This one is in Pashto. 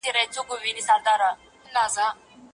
هغه په خپل نوي موټر کې سپور شو.